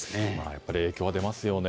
やっぱり影響は出ますよね。